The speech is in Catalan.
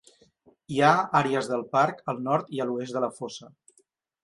Hi ha àrees del parc al nord i a l'oest de la fossa.